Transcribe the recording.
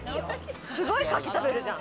すごい牡蠣食べるじゃん。